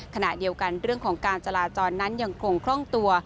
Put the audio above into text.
ขณะเดียวกันเรื่องของการจราจรนั้นยังคงคล่องตัว